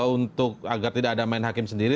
untuk agar tidak ada main hakim sendiri